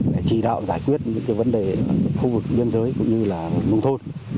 để chỉ đạo giải quyết những cái vấn đề khu vực biên giới cũng như là nông thôn